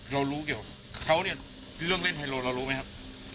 เรารู้เกี่ยวเขาเนี่ยเรื่องเล่นไฮโลเรารู้ไหมครับ